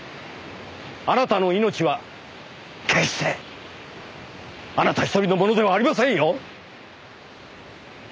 あなたの命は決してあなた一人のものではありませんよ！